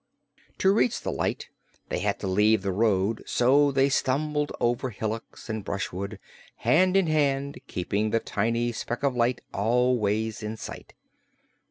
To reach the light they had to leave the road, so they stumbled over hillocks and brushwood, hand in hand, keeping the tiny speck of light always in sight.